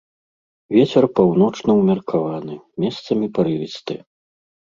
Вецер паўночны ўмеркаваны, месцамі парывісты.